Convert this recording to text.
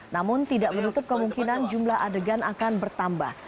namun tidak menutup kemungkinan jumlah adegan akan bertambah